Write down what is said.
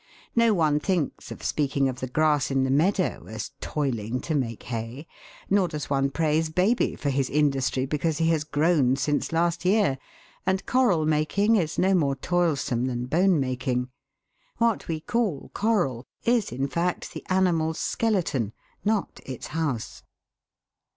No one thinks of speaking of the grass in the meadow as " toiling " to make hay, nor does one praise baby for his industry because he has grown' since last year, and coral making is no more toilsome than bone making. What we call " coral " is in fact the animal's skeleton, not its house.